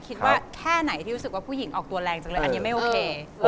แค่ไหนที่รู้สึกว่าผู้หญิงออกตัวแรงจังเลยอันนี้ไม่โอเค